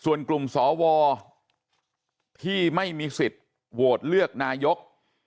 ส่วนกลุ่มสวที่ไม่มีสิทธิ์โหวตเลือกนายก